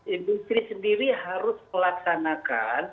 industri sendiri harus melaksanakan